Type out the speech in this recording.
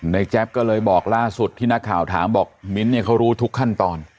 แจ๊บก็เลยบอกล่าสุดที่นักข่าวถามบอกมิ้นท์เนี่ยเขารู้ทุกขั้นตอน